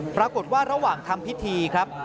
ปรากฏว่าระหว่างทำพิธีครับ